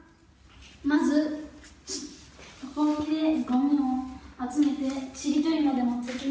まずほうきでごみを集めてちりとりまで持っていきます。